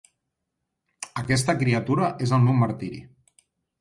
Aquesta criatura és el meu martiri.